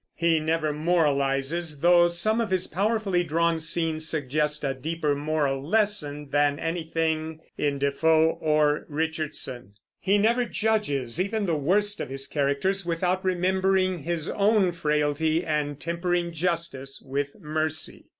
He never moralizes, though some of his powerfully drawn scenes suggest a deeper moral lesson than anything in Defoe or Richardson; and he never judges even the worst of his characters without remembering his own frailty and tempering justice with mercy.